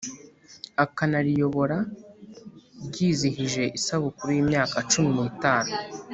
akanariyobora ryizihije isabukuru y'imyaka cumi n'itanu